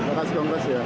makasih kongres ya